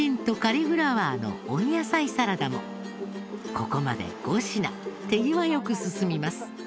ここまで５品手際良く進みます。